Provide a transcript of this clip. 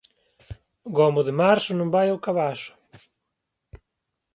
Gomo de marzo non vai ó cabazo.